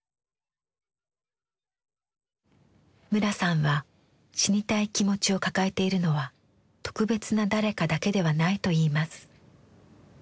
村さんは「死にたい気持ち」を抱えているのは「特別な誰か」だけではないといいます。